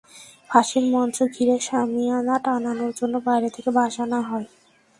ফাঁসির মঞ্চ ঘিরে শামিয়ানা টানানোর জন্য বাইরে থেকে বাঁশ আনা হয়।